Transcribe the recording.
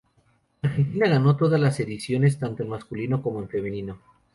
Argentina ganó todas las ediciones tanto en masculino como en femenino.